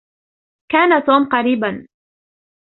كان توم قريبا.